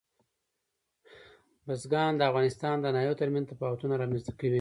بزګان د افغانستان د ناحیو ترمنځ تفاوتونه رامنځته کوي.